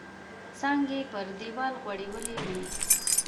څانګې یې پر دیوال غوړولي وې.